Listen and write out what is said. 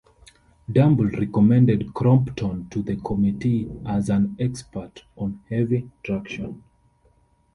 Dumble recommended Crompton to the committee as an expert on heavy traction.